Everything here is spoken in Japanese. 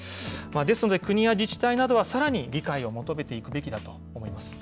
ですので、国や自治体などは、さらに理解を求めていくべきだと思います。